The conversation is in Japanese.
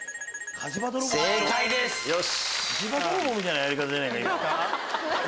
よし！